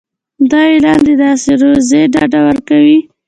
دا اعلان د داسې روزي ډاډ ورکوي.